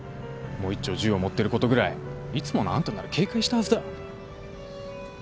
もう１丁銃を持ってることぐらいいつものあんたなら警戒したはずだ。